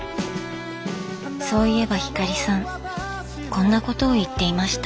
そういえば光さんこんなことを言っていました。